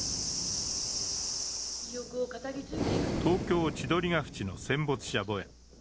東京・千鳥ヶ淵の戦没者墓苑。